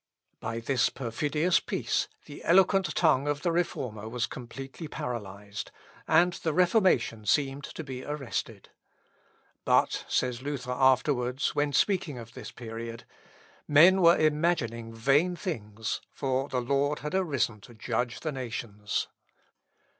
By this perfidious peace the eloquent tongue of the Reformer was completely paralysed; and the Reformation seemed to be arrested. "But," says Luther afterwards, when speaking of this period, "men were imagining vain things, for the Lord had arisen to judge the nations."